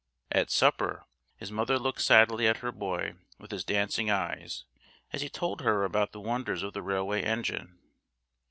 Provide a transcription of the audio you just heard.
At supper his mother looked sadly at her boy with his dancing eyes as he told her about the wonders of the railway engine.